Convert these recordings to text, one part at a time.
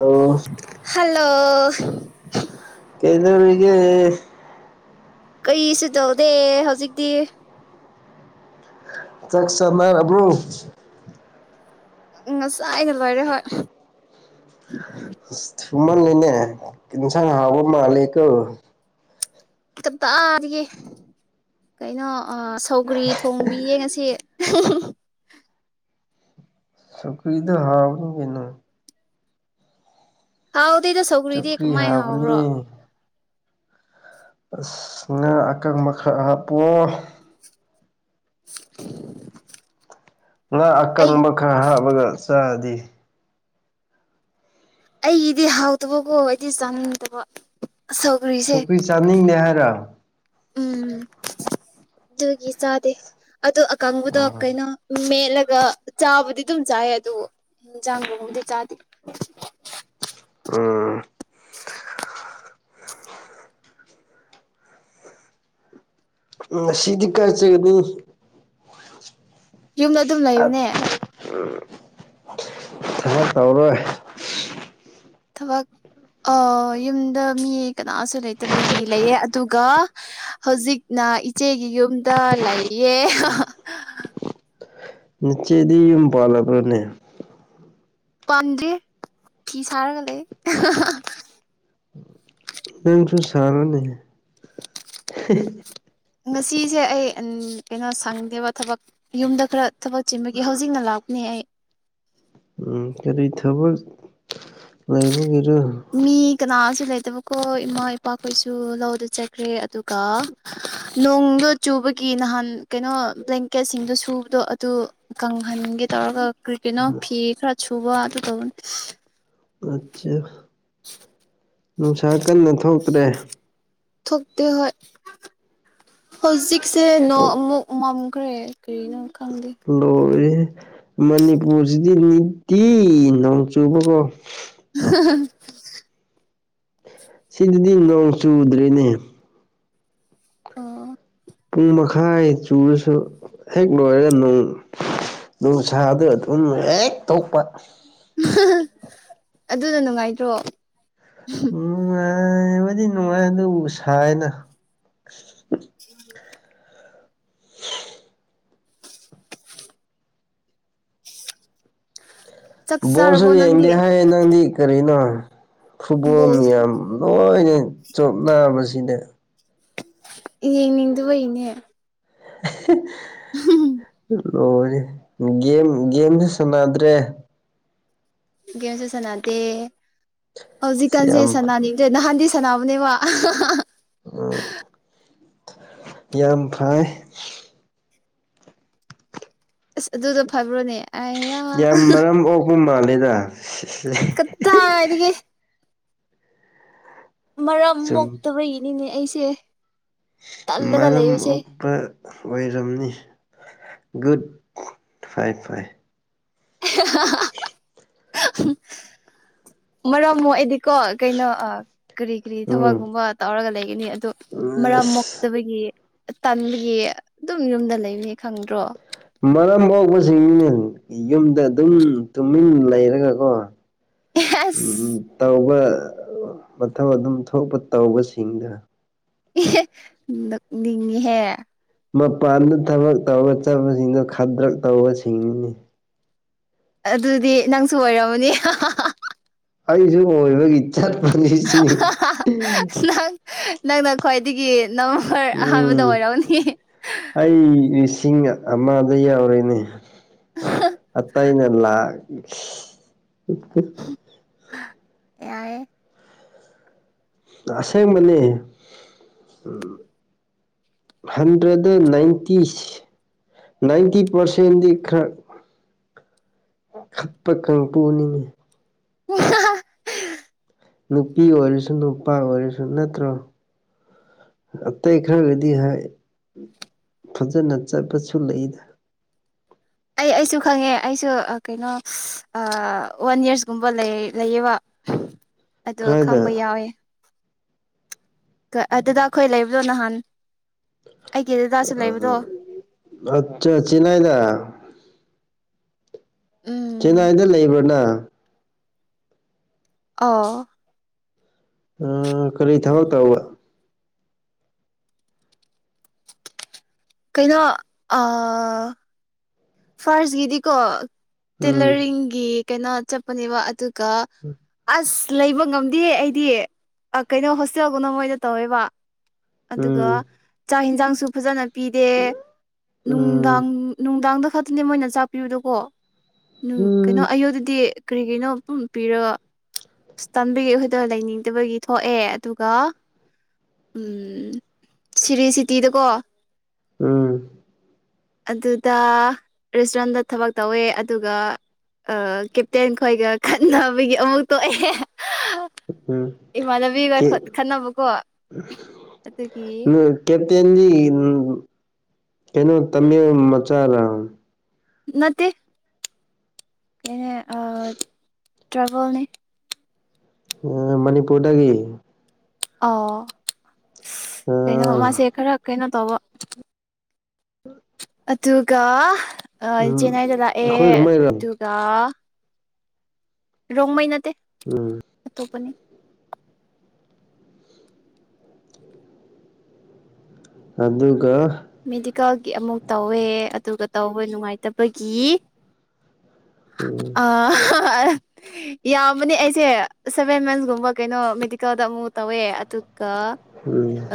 ꯑꯣ ꯍꯜꯂꯣ ꯀꯩꯗꯣꯔꯤꯒꯤ ꯀꯩ ꯁꯨ ꯇꯧꯗꯦ ꯍꯧꯖꯤꯛꯇꯤ ꯆꯥꯛ ꯆꯥꯅ ꯔꯕ꯭ꯔꯨ ꯉꯁꯥꯏ ꯅ ꯂꯣꯏꯔꯦ ꯍꯣꯏ ꯊꯨꯃꯜꯂꯦꯅꯦ ꯑꯦꯟꯁꯥꯡ ꯍꯥꯎꯕ ꯃꯥꯂꯦꯀꯣ ꯀꯗꯥꯏꯗꯒꯤꯀꯩꯅꯣ ꯁꯧꯒ꯭ꯔꯤ ꯊꯣꯡꯕꯤ ꯌꯦꯡꯉꯁꯤ [unintelligible] ꯁꯨꯒꯔꯤꯗ ꯍꯥꯥꯎꯕꯅꯤ ꯀꯩꯅꯣ ꯍꯥꯎꯗꯦꯗ ꯁꯧꯒ꯭ꯔꯤꯗꯤ ꯁꯨꯀ꯭ꯔꯤ ꯀꯃꯥꯏ ꯍꯥꯎꯕꯅꯤ ꯍꯥꯎꯕ꯭ꯔꯣ ꯉꯥ ꯑꯀꯪꯕ ꯈꯥꯔ ꯍꯥꯞꯄꯛ ꯑꯣ [inaudible] ꯉꯥ ꯑꯩ ꯑꯀꯪꯕ ꯈꯔ ꯍꯥꯞꯄꯒ ꯆꯥꯔꯗꯤ ꯑꯩꯒꯤꯗꯤ ꯍꯥꯎꯇꯕꯀꯣ ꯑꯩꯗꯤ ꯆꯥꯅꯤꯡꯗꯕ ꯁꯧꯒ꯭ꯔꯤꯁꯦ ꯁꯧꯒ꯭ꯔꯤ ꯆꯥꯅꯤꯡꯗꯦ ꯍꯥꯏꯔꯣ ꯎꯝ ꯑꯗꯨꯒꯤ ꯆꯗꯦ ꯑꯣ ꯑꯀꯪꯕꯗꯣ ꯎꯝ ꯀꯩꯅꯣ ꯆꯠꯂꯒ ꯆꯥꯕꯨꯗꯤ ꯑꯗꯨꯝ ꯆꯥꯏ ꯑꯗꯨ ꯌꯦꯟꯖꯥꯡꯒꯕꯨꯗꯤ ꯆꯥꯗꯦ ꯎ ꯎꯝ ꯁꯤꯗꯤ ꯀꯥꯏꯆꯒꯅꯤ ꯌꯨꯝꯗ ꯑꯗꯨꯝ ꯂꯩꯕꯅꯦ ꯊ ꯇꯧꯔꯣꯏ ꯊꯕꯛ ꯑ ꯌꯨꯝꯗ ꯃꯤ ꯀꯅꯥꯁꯨ ꯂꯩꯇꯕꯒꯤ ꯂꯩꯌꯦ ꯑꯗꯨꯒ ꯍꯧꯖꯤꯛꯅ ꯏꯆꯦꯒꯤ ꯌꯨꯝꯗ ꯂꯩꯌꯦ ꯍꯥꯍꯥ [inaudible] [unintelligible] ꯅꯆꯦꯗꯤ ꯌꯨꯝ ꯄꯥꯜꯂꯕ꯭ꯔꯥꯅꯦ ꯄꯥꯝꯗ꯭ꯔꯤ ꯐꯤ ꯁꯥꯔꯒ ꯂꯩꯌꯦ ꯑꯍꯥꯍꯥ ꯅꯪꯁꯨ ꯁꯥꯔꯣꯅꯦ ꯍꯦꯍꯦ ꯉꯥꯁꯤꯁꯦ ꯑꯩ ꯎꯝ ꯀꯩꯅꯣ ꯁꯪꯗꯦꯕ ꯊꯕꯛ ꯌꯨꯝꯗ ꯈꯔ ꯊꯕꯛ ꯆꯤꯟꯕꯒꯤ ꯍꯧꯖꯤꯛꯅ ꯂꯥꯛꯄꯅꯦ ꯑꯩ ꯎꯝ ꯀꯔꯤ ꯊꯕꯛ ꯂꯩꯕꯒꯨꯝ ꯃꯤ ꯀꯅꯥꯁꯨ ꯂꯩꯇꯕꯀꯣ ꯏꯃꯥ ꯏꯄꯥꯈꯣꯏꯁꯨ ꯂꯧꯗ ꯆꯠꯈ꯭ꯔꯦ ꯑꯗꯨꯒ ꯅꯣꯡꯗꯣ ꯆꯨꯕ ꯑꯩꯈꯣꯏꯒꯤ ꯅꯍꯥꯟ ꯀꯩꯅꯣ ꯕ꯭ꯂꯦꯡꯀꯦꯠꯁꯤꯡꯗꯣ ꯁꯨꯕꯗꯣ ꯑꯗꯨ ꯀꯪꯍꯟꯒꯦ ꯇꯧꯔꯒ ꯀ꯭ꯔꯤ ꯀꯦꯅꯣ ꯐꯤ ꯈꯔ ꯁꯨꯕ ꯑꯗꯨ ꯇꯧꯌꯦ ꯑꯠꯁꯥ ꯅꯨꯡꯁꯥ ꯀꯟꯅ ꯊꯣꯛꯇ꯭ꯔꯦ ꯊꯣꯛꯇꯦ ꯍꯣꯏ ꯍꯧꯖꯤꯛꯁꯦ ꯅꯣꯡ ꯑꯃꯨꯛ ꯃꯝꯈ꯭ꯔꯦ ꯀ꯭ꯔꯤꯅꯣ ꯈꯪꯗꯦ ꯂꯣꯏꯔꯦꯍꯦ ꯃꯅꯤꯄꯨꯔꯁꯤꯗꯤ ꯅꯤꯇꯤ ꯅꯣꯡ ꯆꯨꯕꯀꯣ ꯑꯍꯥꯍꯥ ꯁꯤꯗꯗꯤ ꯅꯣꯡ ꯆꯨꯗ꯭ꯔꯦꯅꯦ ꯑꯣ ꯄꯨꯡ ꯃꯈꯥꯏ ꯆꯨꯔꯁꯨ ꯍꯦꯛ ꯂꯣꯏꯔꯒ ꯅꯣꯡ ꯅꯨꯡꯁꯥꯗ ꯑꯗꯨꯝ ꯍꯦꯛ ꯇꯣꯛꯄ ꯑꯍꯥꯍꯥꯍꯥ ꯑꯗꯨꯅ ꯅꯨꯡꯉꯥꯏꯇ꯭ꯔꯣ ꯅꯨꯡꯉꯥꯏꯏꯏꯏ ꯕꯗꯤ ꯅꯨꯡꯉꯥꯏ ꯑꯗꯨꯕꯨ ꯁꯥꯏꯌꯦꯅ ꯎꯝ [inaudible] ꯆꯥꯛ ꯕꯣꯜꯁꯨ ꯆꯥꯔꯕꯣ ꯅꯪꯗꯤ ꯌꯦꯡꯗꯦ ꯍꯥꯏꯌꯦ ꯅꯪꯗꯤ ꯀꯔꯤꯅꯣ ꯐꯨꯠꯕꯣꯜ ꯕꯣꯜ ꯃꯌꯥꯝ ꯂꯣꯏꯅ ꯆꯣꯞꯅꯥꯕꯁꯤꯗ ꯌꯦꯡꯅꯤꯡꯗꯕꯩꯅꯦ ꯑꯍꯦ [unintelligible] ꯂꯣꯏꯔꯦ ꯒꯦꯝ ꯒꯦꯝꯁꯨ ꯁꯥꯟꯅꯗ꯭ꯔꯦ ꯒꯦꯝꯁꯨ ꯁꯥꯟꯅꯗꯦ ꯍꯧꯖꯤꯛꯀꯥꯟꯁꯦ ꯌꯥꯝ ꯁꯥꯟꯅꯅꯤꯡꯗꯔꯦ ꯅꯍꯥꯟꯗꯤ ꯁꯥꯟꯅꯕꯅꯦꯕ ꯑꯍꯥꯍꯥꯍꯥ ꯎꯝ ꯌꯥꯝ ꯐꯩꯏ ꯑꯁ ꯑꯗꯨꯗꯣ ꯐꯕ꯭ꯔꯣꯅꯦ ꯑꯥꯏꯌꯥ ꯌꯥꯝ ꯃꯔꯝ ꯑꯣꯛꯄ ꯃꯥꯜꯂꯦꯗ ꯀꯗꯥꯏꯗꯒꯤ ꯃꯔꯝ ꯁꯨꯝ ꯃꯣꯛꯇꯕꯒꯤꯅꯤꯅꯦ ꯑꯩꯁꯦ ꯇꯜꯂꯒ ꯃꯔꯝ ꯂꯩꯕꯁꯦ ꯑꯣꯛꯄ ꯑꯣꯏꯔꯝꯅꯤ ꯒꯨꯠ ꯐꯥꯏ ꯐꯥꯏ ꯑꯦꯍꯥꯍꯥꯍꯥ [unintelligible] ꯍꯤ [inaudible] ꯍꯥꯍꯥ ꯃꯔꯝ ꯃꯣꯛꯑꯦꯗꯤ ꯀꯣ ꯀꯩꯅꯣ ꯀꯔꯤ ꯀꯔꯤ ꯎꯝ ꯊꯕꯛꯒꯨꯝꯕ ꯇꯧꯔꯒ ꯂꯩꯒꯅꯤ ꯑꯗꯨ ꯃꯔꯝ ꯑꯁ ꯃꯣꯛꯇꯕꯒꯤ ꯇꯟꯕꯒꯤ ꯑꯗꯨꯝ ꯌꯨꯝꯗ ꯂꯩꯌꯦ ꯈꯪꯗ꯭ꯔꯣ ꯃꯔꯝ ꯃꯣꯛꯄꯁꯤꯡꯅꯤꯅꯦ ꯌꯨꯝꯗ ꯑꯗꯨꯝ ꯇꯨꯃꯤꯟ ꯂꯩꯔꯒꯀꯣ ꯎꯝꯍꯨꯝ ꯑꯁ ꯇꯧꯕ ꯑ ꯃꯊꯧ ꯑꯗꯨꯝ ꯊꯣꯛꯄ ꯇꯧꯕꯁꯤꯡꯗꯨ ꯏꯍꯤ ꯅꯣꯛꯅꯤꯡꯉꯦꯍꯦ ꯃꯄꯥꯟꯗ ꯊꯕꯛ ꯇꯧꯕ ꯆꯠꯄꯁꯤꯡꯗꯣ ꯈꯥꯗ꯭ꯔꯛ ꯇꯧꯕꯁꯤꯡꯅꯤꯅꯦ ꯑꯗꯨꯗꯤ ꯅꯪꯁꯨ ꯑꯣꯏꯔꯝꯃꯅꯤ ꯍꯥ ꯍꯥ ꯍꯥ ꯑꯩꯁꯨ ꯑꯣꯏꯕꯒꯤ ꯆꯠꯄꯅꯤ ꯁꯤ ꯅꯪ ꯅꯪꯅ ꯈ꯭ꯋꯥꯏꯗꯒꯤ ꯅꯝꯕꯔ ꯑꯍꯥꯟꯕꯗ ꯎꯝ ꯑꯣꯏꯔꯝꯅꯤ ꯏꯁꯤꯡ ꯑꯃꯗ ꯌꯥꯎꯔꯤꯅꯤ ꯑꯇꯩꯅ ꯂꯥꯛ ꯎ [unintelligible] ꯌꯥꯏꯌꯦ ꯑꯁꯦꯡꯕꯅꯤ ꯎꯝ ꯍꯟꯗ꯭ꯔꯦꯠ ꯅꯥꯏꯟꯇꯤꯁ ꯅꯥꯏꯟꯇꯤ ꯄꯔꯁꯦꯟꯗꯤ ꯈꯔ ꯈꯠꯄ ꯀꯥꯡꯄꯨꯅꯤ ꯑꯍꯥ ꯍꯥ ꯅꯨꯄꯤ ꯑꯣꯏꯔꯁꯨ ꯅꯨꯄꯥ ꯑꯣꯏꯔꯁꯨ ꯅꯠꯇ꯭ꯔꯣ ꯑꯇꯩ ꯈꯔꯒꯗꯤ ꯍꯥꯏ ꯐꯖꯅ ꯆꯠꯄꯁꯨ ꯂꯩꯗ ꯑꯩ ꯑꯩꯁꯨ ꯈꯪꯉꯦ ꯑꯩꯁꯨ ꯀꯩꯅꯣ ꯑꯥ ꯋꯥꯟ ꯌꯔꯁꯀꯨꯝꯕ ꯂꯩꯌꯦꯕ [inaudible] ꯑꯗꯣ ꯈꯪꯕ ꯀꯥꯏꯗ ꯌꯥꯎꯋꯦ ꯑꯗꯨꯗ ꯑꯩꯈꯣꯏ ꯂꯩꯕꯗꯣ ꯅꯍꯥꯟ ꯑꯩꯒꯤ ꯗꯗꯥꯁꯨ ꯂꯩꯕꯗꯣ ꯎꯝ ꯑꯆꯥ ꯆꯦꯟꯅꯥꯏꯗ ꯎꯝ ꯆꯦꯟꯅꯥꯏꯗ ꯂꯩꯕ꯭ꯔꯣꯅꯪ ꯑꯣ ꯑ ꯀꯔꯤ ꯊꯕꯛ ꯇꯧꯕ ꯀꯩꯅꯣ ꯑꯥ ꯐꯥꯔꯁꯀꯤꯗꯤꯀꯣ ꯎꯝ ꯇꯦꯂꯔꯤꯡꯒꯤ ꯀꯩꯅꯣ ꯆꯠꯄꯅꯦꯕ ꯑꯗꯨ ꯀ ꯑꯁ ꯂꯩꯕ ꯉꯝꯗꯦ ꯑꯩꯗꯤ ꯀꯩꯅꯣ ꯍꯣꯁꯇꯦꯜꯒꯨꯝꯅ ꯃꯣꯏ ꯇꯧꯋꯦꯕ ꯑꯗꯨꯒ ꯎꯝ ꯆꯥꯛ ꯌꯦꯟꯁꯥꯡꯁꯨ ꯐꯖꯅ ꯄꯤꯗꯦ ꯎꯝ ꯅꯨꯡꯗꯥꯡ ꯅꯨꯡꯗꯥꯡꯗ ꯈꯛꯇꯅꯦ ꯃꯣꯏꯅ ꯆꯥꯛꯄꯤꯕꯗꯨꯀꯣ ꯀꯩꯅꯣ ꯎꯝ ꯑꯌꯨ ꯗꯤ ꯀꯔꯤꯒꯤꯅꯣ ꯄꯤꯔꯒ ꯑꯁ ꯇꯟꯕꯤꯒꯤ ꯍꯣꯏꯇꯦꯜ ꯂꯩꯅꯤꯡꯗꯕꯒꯤ ꯊꯣꯛꯑꯦ ꯑꯗꯨꯒ ꯎꯝ ꯁꯤꯔꯤꯁꯤꯇꯤꯗꯀꯣ ꯎꯝ ꯑꯗꯨꯗ ꯔꯦꯁꯇꯨꯔꯦꯟꯗ ꯊꯕꯛ ꯇꯧꯋꯦ ꯑꯗꯨꯒ ꯀꯦꯞꯇꯦꯟ ꯈꯣꯏꯒ ꯈꯠꯅꯕꯒꯤ ꯑꯃꯨꯛ ꯇꯣꯛꯑꯦ ꯎꯝ ꯏꯃꯥꯟꯅꯕꯤꯒ ꯈꯠꯅꯕꯀꯣ ꯑꯗꯨꯒꯤ ꯀꯞꯇꯦꯟꯒꯤ ꯀꯩꯅꯣ ꯇꯃꯦ ꯃꯆꯥꯥ ꯅꯠꯇꯦ ꯀꯅꯦ ꯑ ꯇ꯭ꯔꯥꯕꯦꯜꯅꯤ ꯑ ꯃꯅꯤꯄꯨꯔꯗꯒꯤ ꯑꯣ ꯀꯩꯅꯣ ꯎꯝ ꯃꯥꯁꯦ ꯈꯔ ꯀꯩꯅꯣ ꯇꯧꯕ ꯑꯗꯨꯒ ꯑ ꯆꯦꯟꯅꯥꯏꯗ ꯂꯥꯛꯑꯦ ꯑꯩꯈꯣꯏꯔꯣꯝꯃꯩꯔꯣ ꯑꯗꯨꯒ ꯔꯣꯡꯃꯩ ꯅꯠꯇꯦ ꯎꯝ [inaudible] ꯑꯗꯨꯒ ꯃꯦꯗꯤꯀꯦꯜꯒꯤ ꯑꯃꯨꯛ ꯇꯧꯋꯦ ꯑꯗꯨꯒ ꯇꯧꯋꯦ ꯅꯨꯡꯉꯥꯏꯇꯕꯒꯤ ꯎꯝ ꯑꯥ ꯍꯥꯍꯥ ꯌꯥꯕꯅꯦ ꯑꯩꯁꯦ ꯁꯚꯦꯟ ꯃꯟꯁꯀꯨꯝꯕ ꯀꯩꯅꯣ ꯃꯦꯗꯤꯀꯦꯜꯗ ꯑꯃꯨꯛ ꯇꯧꯋꯦ ꯑꯗꯨ ꯀ ꯎꯝ ꯑ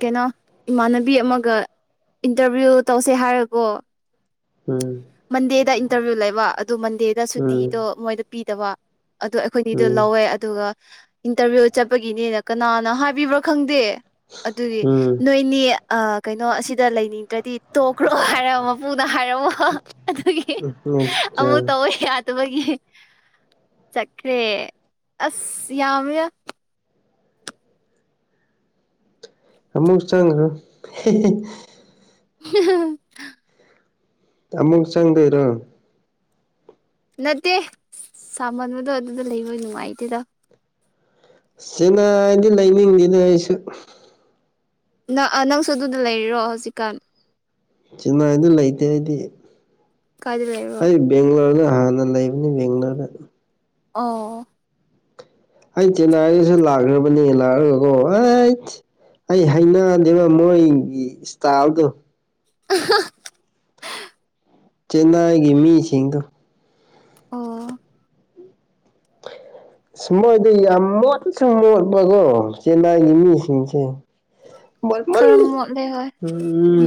ꯀꯩꯅꯣ ꯏꯃꯥꯟꯅꯕꯤ ꯑꯃꯒ ꯏꯟꯇ꯭ꯔꯚꯤꯌꯨ ꯇꯧꯁꯦ ꯍꯥꯏꯔꯀꯣ ꯃꯟꯗꯦꯗ ꯏꯟꯇꯔꯚꯤꯌꯨ ꯂꯩꯕ ꯑꯗꯨ ꯃꯟꯗꯦꯗ ꯎꯝ ꯁꯨꯇꯤꯗꯣ ꯃꯣꯏꯗ ꯄꯤꯗꯕ ꯑꯗꯨꯗ ꯑꯩꯈꯣꯏꯅꯤꯗꯣ ꯎꯝ ꯂꯧꯋꯦ ꯑꯗꯨꯒ ꯏꯟꯇꯔꯚꯤꯌꯨ ꯆꯠꯄꯒꯤꯅꯦꯅ ꯀꯅꯥꯅ ꯍꯥꯏꯕꯤꯕ꯭ꯔꯥ ꯈꯪꯗꯦ ꯑꯗꯨꯒꯤ ꯎꯝ ꯅꯣꯏꯅꯦ ꯀꯩꯅꯣ ꯑꯁꯤꯗ ꯂꯩꯅꯤꯡꯗ꯭ꯔꯗꯤ ꯇꯣꯛꯈ꯭ꯔꯣ ꯍꯥꯏꯔ ꯃꯄꯨꯅ ꯍꯥꯏꯔꯝꯃꯣ ꯑꯍꯥꯍꯥ ꯑꯗꯨꯒꯤ ꯎꯝ ꯑꯃꯨꯛ ꯑꯆꯥ ꯇꯧꯕ ꯌꯥ ꯇꯕꯒꯤ ꯆꯠꯈ꯭ꯔꯦ ꯑꯁ ꯌꯥꯝꯃꯦꯌꯥ ꯑꯃꯨꯛ ꯆꯪꯈ꯭ꯔꯣ ꯍꯤꯍꯤ ꯍꯤꯍꯥꯍꯥ [unintelligible] ꯑꯃꯨꯛ ꯆꯪꯗꯣꯏꯔꯣ ꯅꯠꯇꯦ ꯁꯥꯃꯟꯕꯗꯣ ꯑꯗꯨꯗ ꯂꯩꯕ ꯅꯨꯡꯉꯥꯏꯇꯦꯗ ꯆꯦꯅꯥꯏꯗꯤ ꯂꯩꯅꯤꯡꯗꯦꯅꯦ ꯑꯩꯁꯨ ꯅꯪ ꯑ ꯅꯪꯁꯨ ꯑꯗꯨꯗ ꯂꯩꯔꯤꯔꯣ ꯍꯧꯖꯤꯛꯀꯥꯟ ꯆꯦꯟꯅꯥꯏꯗ ꯂꯩꯇꯦ ꯑꯩꯗꯤ ꯀꯥꯏꯗ ꯂꯩꯕ꯭ꯔꯣ ꯑꯩ ꯕꯦꯡꯒ꯭ꯂꯣꯔꯗ ꯍꯥꯟꯅ ꯂꯩꯕꯅꯤ ꯕꯦꯡꯒ꯭ꯂꯣꯔꯗ ꯑꯣ ꯑꯩ ꯆꯦꯟꯅꯥꯏꯗꯁꯨ ꯂꯥꯛꯔꯕꯅꯦ ꯂꯥꯛꯔꯒ ꯀꯣ ꯍꯦꯠ ꯑꯩ ꯍꯩꯅꯗꯦꯕ ꯃꯣꯏꯒꯤ ꯏꯁꯇꯥꯏꯜꯗꯣ ꯑꯍꯥꯍꯥ ꯆꯦꯟꯅꯥꯏꯒꯤ ꯃꯤꯁꯤꯡꯗꯣ ꯑꯣ ꯑꯁ ꯃꯣꯏꯗꯤ ꯌꯥꯝ ꯃꯣꯠꯁꯨ ꯃꯣꯠꯄꯀꯣ ꯆꯦꯟꯅꯥꯏꯒꯤ ꯃꯤꯁꯤꯡꯁꯦ ꯈꯔ ꯃꯣꯠꯃꯜꯂꯤ ꯃꯣꯠꯂꯦ ꯍꯣꯏ ꯎꯝ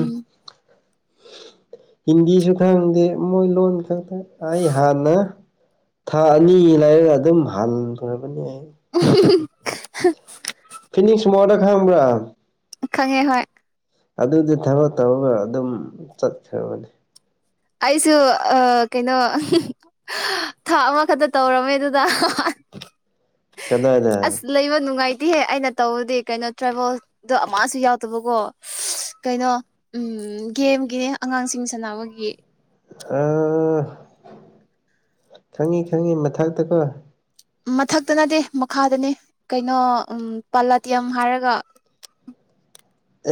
ꯍꯤꯟꯗꯤꯁꯨ ꯈꯪꯗꯦ ꯃꯣꯏ ꯂꯣꯟ ꯈꯛꯇ ꯑꯩ ꯍꯥꯟꯅ ꯊꯥ ꯑꯅꯤ ꯂꯩꯔꯒ ꯑꯗꯨꯝ ꯍꯟꯈ꯭ꯔꯥꯕꯅꯦ ꯑꯩ ꯍꯥ [unintelligible] [unintelligible] ꯈꯪꯕ꯭ꯔꯥ ꯈꯪꯉꯦ ꯍꯣꯏ ꯑꯗꯨꯗꯤ ꯊꯕꯛ ꯇꯧꯔꯒ ꯑꯗꯨꯝ ꯆꯠꯈ꯭ꯔꯥꯕꯅꯦ ꯑꯩꯁꯨ ꯑ ꯀꯩꯅꯣ ꯑꯍꯥꯍꯥ ꯑꯍꯥ ꯊꯥ ꯑꯃꯈꯛꯇ ꯇꯧꯔꯝꯃꯦ ꯑꯗꯨꯗ ꯍꯥꯍꯥꯍꯥ ꯀꯗꯥꯏꯗ ꯑꯁ ꯂꯩꯕ ꯅꯨꯡꯉꯥꯏ ꯇꯤꯍꯦ ꯑꯩꯅ ꯇꯧꯕꯗꯤ ꯀꯩꯅꯣ ꯇ꯭ꯔꯥꯏꯕꯦꯜꯗꯣ ꯑꯃꯁꯨ ꯌꯥꯎꯗꯕꯀꯣ ꯀꯩꯅꯣ ꯎꯝ ꯎꯝ ꯒꯦꯝꯒꯤꯅꯦ ꯑꯉꯥꯡꯁꯤꯡ ꯁꯥꯟꯅꯕꯒꯤ ꯑꯥ ꯈꯪꯉꯤ ꯈꯪꯉꯤ ꯃꯊꯛꯇꯀꯣ ꯃꯊꯛꯇ ꯅꯠꯇꯦ ꯃꯈꯥꯗꯅꯦ ꯀꯩꯅꯣ ꯄꯂꯥꯇꯤꯌꯝ ꯍꯥꯏꯔꯒ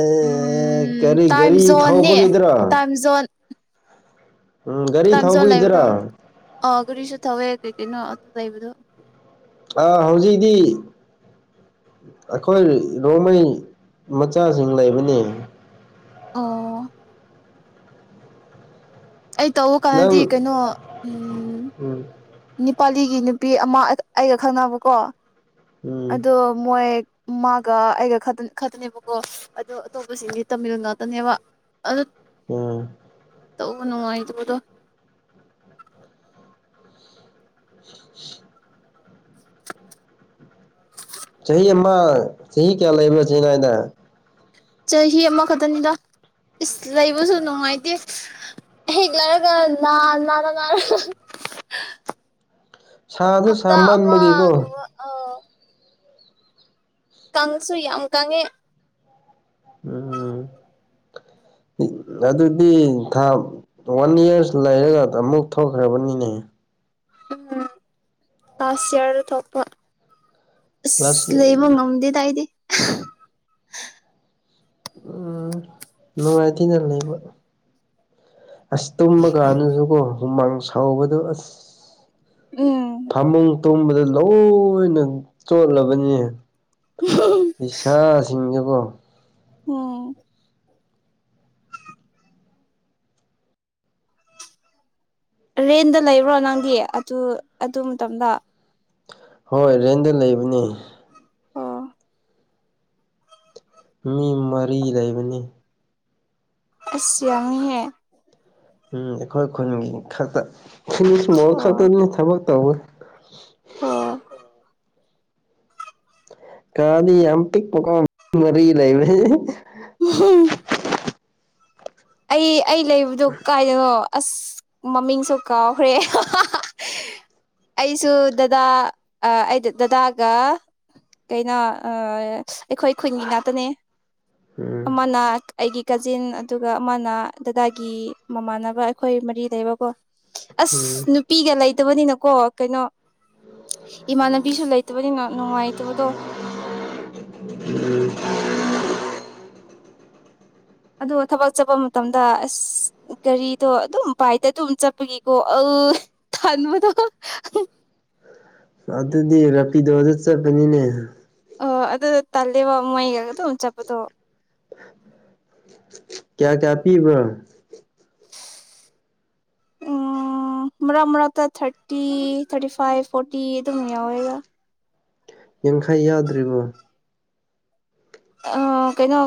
ꯑꯦ ꯎꯝ ꯀꯔꯤ ꯇꯥꯏꯝ ꯒꯥꯔꯤ ꯖꯣꯟꯅꯦ ꯊꯧꯕꯒꯤꯗꯨꯔꯣ ꯇꯥꯏꯝ ꯖꯣꯟ ꯎꯝ ꯒꯥꯔꯤ ꯇꯥꯏꯝ ꯖꯣꯟ ꯂꯩꯕꯗꯣ ꯊꯧꯕꯩꯗꯨꯔꯣ ꯑ ꯒꯥꯔꯤꯁꯨ ꯊꯋꯦ ꯀꯩ ꯀꯩꯅꯣ ꯑꯗꯨ ꯂꯩꯕꯗꯨ ꯑꯥ ꯍꯧꯖꯤꯛꯗꯤ ꯑꯩꯈꯣꯏ ꯔꯣꯡꯃꯩ ꯃꯆꯥꯁꯤꯡ ꯂꯩꯕꯅꯦ ꯑꯣ ꯑꯩ ꯇꯧꯕ ꯅꯪ ꯀꯥꯟꯗꯗꯤ ꯀꯩꯅꯣ ꯎꯝ ꯎꯝ ꯅꯤꯄꯥꯂꯤꯒꯤ ꯅꯨꯄꯤ ꯑꯃ ꯑꯩꯒ ꯈꯪꯅꯕꯀꯣ ꯎꯝ ꯑꯗꯣ ꯃꯣꯏ ꯃꯥꯒ ꯑꯩꯒ ꯈꯛꯇꯅꯦꯕꯀꯣ ꯑꯗꯣ ꯑꯇꯣꯞꯄꯁꯤꯡꯗꯤ ꯇꯥꯃꯤꯜ ꯉꯥꯛꯇꯅꯦꯕ ꯑꯗꯣ ꯎꯝ ꯇꯧꯕ ꯅꯨꯡꯉꯥꯏꯇꯕꯗꯣ [unintelligible] [inaudible] ꯆꯍꯤ ꯑꯃ ꯆꯍꯤ ꯀꯌꯥ ꯂꯩꯕꯅꯣ ꯆꯦꯟꯅꯥꯏꯗ ꯆꯍꯤ ꯑꯃꯈꯛꯇꯅꯤꯗ ꯏꯁ ꯂꯩꯕꯁꯨ ꯅꯨꯡꯉꯥꯏꯇꯦ ꯍꯦꯒꯂꯩꯔꯒ ꯅꯥꯅꯥꯅꯥ ꯅꯥꯔꯒ ꯑꯍꯥꯍꯥꯍꯥ ꯁꯥꯁꯨ ꯍꯞꯇꯥ ꯁꯥꯃꯟꯕꯒꯤꯀꯣ ꯑꯃꯒꯨꯝꯕ ꯀꯪꯁꯨꯨ ꯌꯥꯝ ꯀꯪꯉꯦ ꯎꯝ ꯑꯗꯨꯗꯤ ꯊꯥ ꯋꯥꯟ ꯌꯤꯔꯁ ꯂꯩꯔꯒ ꯑꯃꯨꯛ ꯊꯣꯛꯗ꯭ꯔꯕꯅꯤꯅꯦ ꯎꯝ [unintelligible] ꯌꯤꯔꯗ ꯊꯣꯛꯄ ꯑꯁ ꯂꯥꯁ ꯂꯩꯕ ꯉꯝꯗꯦ ꯑꯩꯗꯤ ꯎꯝ ꯅꯨꯡꯉꯥꯏꯇꯦꯅ ꯂꯩꯕ ꯑꯁ ꯇꯨꯝꯕ ꯀꯥꯟꯗꯁꯨꯀꯣ ꯍꯨꯃꯥꯡ ꯁꯧꯎꯕꯗꯨ ꯑꯁ ꯎꯝ ꯐꯃꯨꯡ ꯇꯨꯝꯕꯗ ꯂꯣꯏꯅ ꯆꯣꯠꯂꯕꯅꯤ ꯏꯁꯥꯖꯤꯡ [unintelligible] ꯎꯝ ꯔꯦꯟꯗ ꯂꯩꯕ꯭ꯔꯣ ꯅꯪꯗꯤ ꯑꯥꯗꯨ ꯑꯥꯗꯨ ꯃꯇꯝꯗ ꯍꯣꯏ ꯔꯦꯟꯗ ꯂꯩꯕꯅꯤ ꯑꯣ ꯃꯤ ꯃꯔꯤ ꯂꯩꯕꯅꯤ ꯑꯁ ꯌꯥꯝꯃꯤꯍꯦ ꯎꯝ ꯑꯩꯈꯣꯏ ꯈꯨꯟꯒꯤ ꯈꯛꯇ [unintelligible] ꯑꯣ ꯈꯛꯇꯅꯤ ꯊꯕꯛ ꯇꯧꯕ [unintelligible] ꯑꯣ ꯀꯥꯗꯤ ꯌꯥꯝ ꯄꯤꯛꯄꯀꯣ ꯃꯔꯤ ꯂꯩꯕꯅꯦ ꯍꯦꯍꯦ ꯑꯩ ꯑꯩ ꯂꯩꯕꯗꯨ ꯀꯥꯏ [unintelligible] ꯑꯁ ꯃꯃꯤꯡꯁꯨ ꯀꯥꯎꯈ꯭ꯔꯦ ꯍꯥꯍꯥ ꯑꯩꯁꯨ ꯗꯥꯗꯥ ꯑꯥ ꯑꯩ ꯗꯥꯗꯥꯒ ꯀꯩꯅꯣ ꯑꯁ ꯑꯩꯈꯣꯏ ꯈꯨꯟꯒꯤ ꯉꯥꯛꯇꯅꯦ ꯎꯝ ꯑꯥꯃꯅ ꯑꯩꯒꯤ ꯀꯥꯖꯤꯟ ꯑꯥꯗꯨ ꯒ ꯑꯥꯃꯅ ꯗꯥꯗꯥꯒꯤ ꯃꯃꯥꯟꯅꯕ ꯑꯩꯈꯣꯏ ꯃꯔꯤ ꯂꯩꯕꯀꯣ ꯑꯁ ꯎꯝ ꯅꯨꯄꯤꯒ ꯂꯩꯇꯕꯅꯤꯅꯀꯣ ꯀꯩꯅꯣ ꯏꯃꯥꯟꯅꯕꯤꯁꯨ ꯂꯩ ꯇꯕꯅꯤꯅ ꯅꯨꯡꯉꯥꯏꯇꯕꯗꯣ ꯎꯝ ꯑꯥꯗꯣ ꯊꯕꯛ ꯆꯠꯄ ꯃꯇꯝꯗ ꯑꯁ ꯒꯥꯔꯤꯗꯣ ꯑꯥꯗꯨꯝ ꯕꯥꯥꯏꯗ ꯑꯥꯗꯨꯝ ꯆꯠꯄꯒꯤꯀꯣ ꯎ ꯇꯟꯕꯗꯣ ꯑꯥꯗꯨꯗꯤ ꯔꯥꯄꯤꯗꯣ ꯗ ꯆꯠꯄꯅꯤꯅꯦ ꯑꯣ ꯑꯥꯗꯨ ꯇꯜꯂꯦ ꯕꯥ ꯃꯣꯏꯒꯥ ꯑꯥꯗꯨꯝ ꯆꯠꯄꯗꯣ ꯀ꯭ꯌꯥ ꯀ꯭ꯌꯥ ꯄꯤꯕ꯭ꯔꯣ ꯃꯥꯔꯛ ꯃꯥꯔꯛꯇ ꯊꯥꯔꯇꯤ ꯊꯥꯔꯇꯤ ꯐꯥꯏꯚ ꯐꯣꯔꯇꯤ ꯗꯨꯝ ꯌꯥꯎꯋꯦꯗ ꯌꯥꯡꯈꯩ ꯌꯥꯎꯗ꯭ꯔꯤꯕꯣ ꯑꯥ ꯀꯩꯅꯣ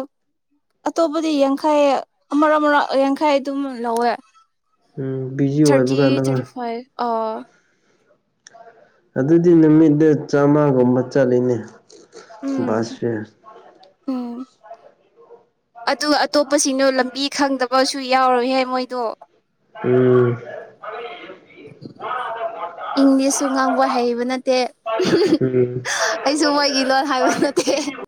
ꯑꯥꯇꯣꯞꯄꯗꯤ ꯌꯥꯡꯈꯩ ꯑꯥꯃꯔꯛ ꯑꯥꯃꯔꯛ ꯌꯥꯡꯈꯩ ꯗꯨꯝ ꯂꯧꯋꯦ ꯎꯝ ꯕꯤꯖꯤ ꯑꯣꯏꯕ ꯊꯥꯔꯇꯤ ꯀꯥꯟꯗꯀꯣ ꯊꯥꯔꯇꯤ ꯐꯥꯏꯚ ꯑꯥ ꯑꯥꯗꯨꯗꯤ ꯅꯨꯃꯤꯠꯗ ꯆꯥꯃꯒꯨꯝꯕ ꯆꯠꯂꯤꯅꯦ ꯎꯝ [unintelligible] ꯎꯝ ꯑꯥꯗꯨ ꯑꯥꯇꯣꯞꯄꯁꯤꯡꯗꯣ ꯂꯝꯕꯤ ꯈꯪꯗꯕꯁꯨ ꯌꯥꯎꯔꯣꯏ ꯍꯦ ꯃꯣꯏꯗꯣ ꯎꯝ [unintelligible] ꯏꯪꯂꯤꯁꯁꯨ ꯉꯥꯡꯕ ꯍꯩꯕ ꯅꯠꯇꯦ ꯎꯝ ꯎꯝ ꯑꯩꯁꯨ ꯃꯣꯏꯒꯤ ꯂꯣꯟ ꯍꯥꯏꯕ ꯅꯠꯇꯦ